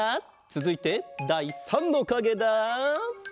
つづいてだい３のかげだ！